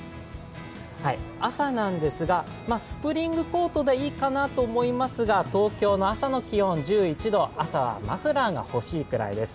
朝なんですが、スプリングコートでいいかなと思いますが東京の朝の気温は１１度、朝はマフラーが欲しいくらいです。